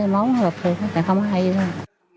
máu ngợp thì không có hay đâu